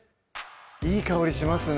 いい香りしますね